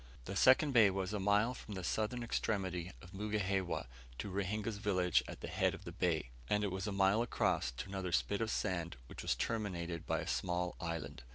The second bay was a mile from the southern extremity of Mugihewa to Ruhinga's village at the head of the bay, and it was a mile across to another spit of sand which was terminated by a small island.